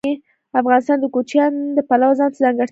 افغانستان د کوچیان د پلوه ځانته ځانګړتیا لري.